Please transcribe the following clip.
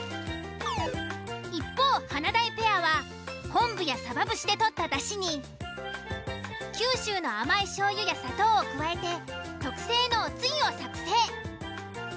一方華大ペアは昆布やサバ節で取っただしに九州の甘い醤油や砂糖を加えて特製のおつゆを作成。